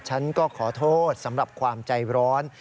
ฉันก็ขอโทษสำหรับความใจร้อน